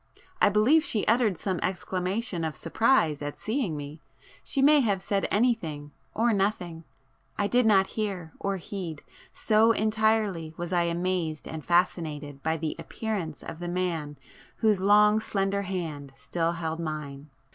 [p 20] I believe she uttered some exclamation of surprise at seeing me,—she may have said anything or nothing,—I did not hear or heed, so entirely was I amazed and fascinated by the appearance of the man whose long slender hand still held mine.